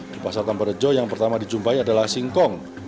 di pasar tambarejo yang pertama dijumpai adalah singkong